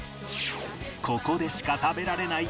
ここでしか食べられない